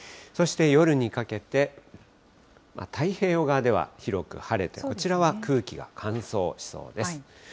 そして夜にかけて、太平洋側では広く晴れて、こちらは空気が乾燥しそうです。